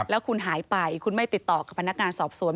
แล้วคุณหายไปคุณไม่ติดต่อกับพนักงานสอบสวน